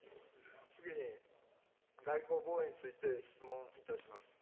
次に、外交・防衛について質問いたします。